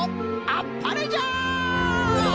あっぱれじゃ！